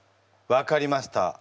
分かりました。